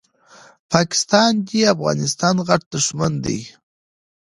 پاکستان دي افغانستان غټ دښمن ده